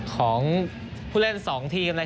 ส่วนที่สุดท้ายส่วนที่สุดท้าย